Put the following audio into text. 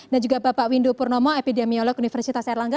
dan juga bapak windu purnomo epidemiolog universitas erlangga